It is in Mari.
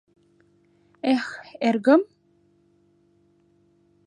Эх, эргым?